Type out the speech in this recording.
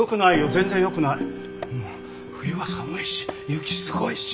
冬は寒いし雪すごいし。